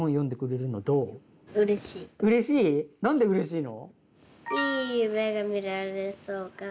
何でうれしいの？